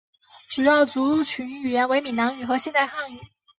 主要族群语言为闽南语和现代汉语。